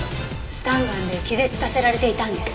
スタンガンで気絶させられていたんですね。